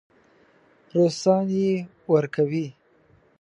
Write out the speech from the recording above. روسان یې ورکوي.